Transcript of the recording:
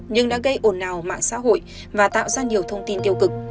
nhưng đã gây ồn ào mạng xã hội và tạo ra nhiều thông tin tiêu cực